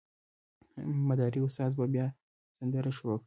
مداري استاد به بیا سندره شروع کړه.